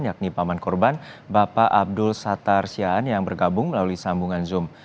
yakni paman korban bapak abdul satar siaan yang bergabung melalui sambungan zoom